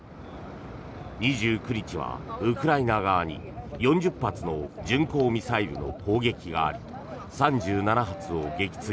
２９日はウクライナ側に４０発の巡航ミサイルの攻撃があり３７発を撃墜。